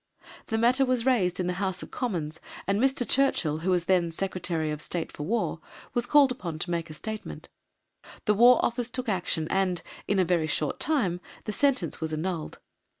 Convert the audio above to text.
The matter was raised in the House of Commons, and Mr. Churchill, who was then Secretary of State for War, was called upon to make a statement. The War Office took action and, in a very short time, the sentence was annulled.